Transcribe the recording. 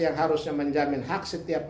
yang harusnya menjamin hak setiap